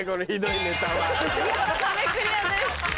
見事壁クリアです。